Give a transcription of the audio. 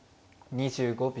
２５秒。